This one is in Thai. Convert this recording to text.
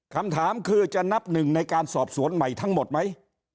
คำถามคือจะนับหนึ่งในการสอบสวนใหม่ทั้งหมดไหม